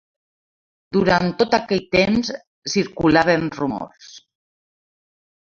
Durant tot aquell temps circulaven rumors